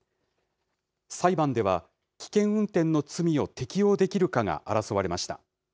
裁判では、危険運転の罪を適用できるかが争われました。